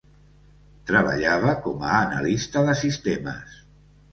Treballava com a analista de sistemes.